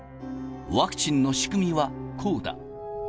ワクチンの仕組みはこうだ。